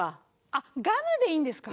あっガムでいいんですか？